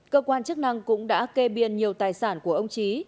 cơ quan chức năng cũng đã kê biên nhiều tài sản của ông trí